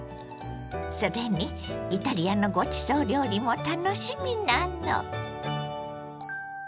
それにイタリアのごちそう料理も楽しみなの。